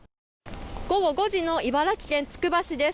午後５時の茨城県つくば市です。